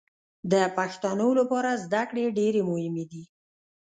د پښتنو لپاره زدکړې ډېرې مهمې دي